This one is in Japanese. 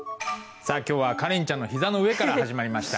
さあ今日はカレンちゃんの膝の上から始まりました。